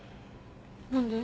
何で？